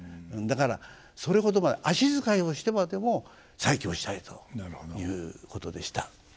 だからそれほどまで足遣いをしてまでも再起をしたいということでした。